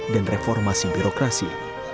dan reformasi birokrasi